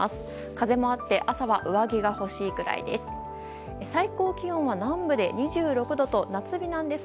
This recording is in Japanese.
風もあって朝は上着が欲しいくらいです。